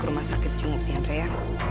buat rumah sakit cenguk nih andre ya